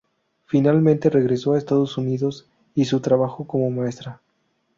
Finalmente, regresó a Estados Unidos y su trabajo como maestra.